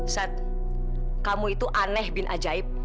saat kamu itu aneh bin ajaib